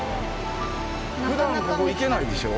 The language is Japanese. ふだんはここ行けないでしょ？